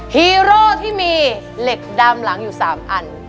ฮีโร่ที่มีเหล็กดามหลังอยู่๓อัน